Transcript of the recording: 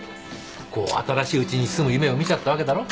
こう新しいうちに住む夢を見ちゃったわけだろ？